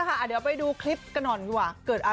บัวลอยใครก็ได้มาช่วยน้าแอดก่อน